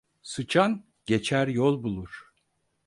Sıçan geçer yol bulur.